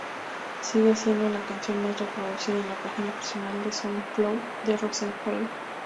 Sigue siendo la canción más reproducida en la página personal de Soundcloud de Rosenfeld.